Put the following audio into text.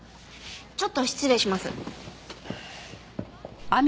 ちょっと失礼します。